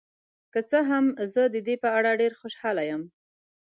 که څه هم، زه د دې په اړه ډیر خوشحاله یم.